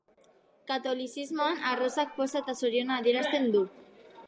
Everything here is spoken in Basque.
Katolizismoan, arrosak poza eta zoriona adierazten du.